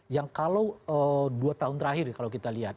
yang kalau dua tahun terakhir kalau kita lihat